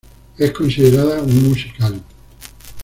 Es considerada un musical.